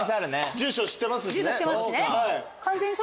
住所知ってますしね。